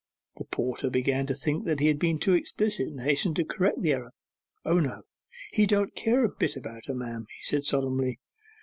The porter began to think he had been too explicit, and hastened to correct the error. 'O no, he don't care a bit about her, ma'am,' he said solemnly.